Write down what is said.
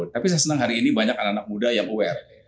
tapi saya senang hari ini banyak anak anak muda yang aware